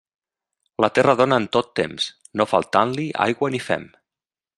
La terra dóna en tot temps no faltant-li aigua ni fem.